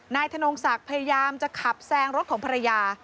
ธนงศักดิ์พยายามจะขับแซงรถของภรรยา